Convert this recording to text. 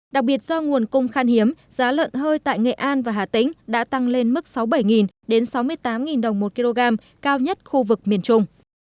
đặc biệt do nguồn cung khan hiếm giá lợn hơi tại nghệ an và hà tĩnh đã tăng lên mức sáu mươi bảy sáu mươi tám đồng một kg cao nhất khu vực miền trung